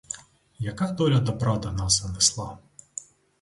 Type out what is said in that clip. Яка доля добра до нас занесла?